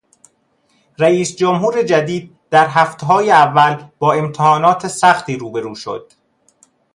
رئیس جمهور جدید در هفته های اول با امتحانات سختی رو برو شد.